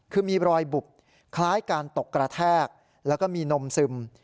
คือมีรอยบุบคล้ายการตกกระแทกแล้วก็มีนมซึม